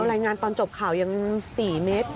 แล้วรายงานตอนจบข่าวยัง๔เมตร๔๖เมตร